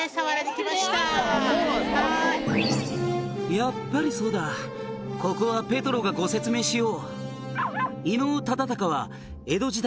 「やっぱりそうだここはペトロがご説明しよう」「伊能忠敬は江戸時代